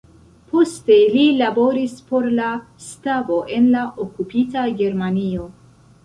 Poste li laboris por la stabo en la okupita Germanio.